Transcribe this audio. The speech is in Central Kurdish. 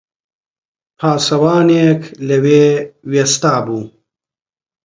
پاسەوانێک لەوێ وێستابوو